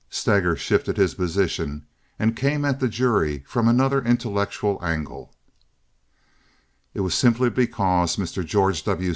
Steger shifted his position and came at the jury from another intellectual angle: "It was simply because Mr. George W.